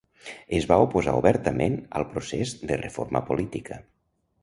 Es va oposar obertament al procés de reforma política.